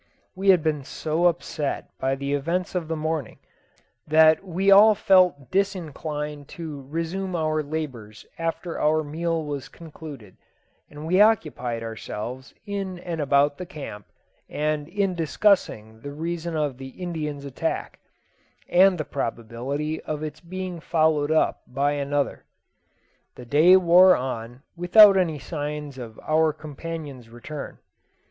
We had been so upset by the events of the morning, that we all felt disinclined to resume our labours after our meal was concluded, and we occupied ourselves in and about the camp, and in discussing the reason of the Indians' attack, and the probability of its being followed up by another. The day wore on without any signs of our companions' return.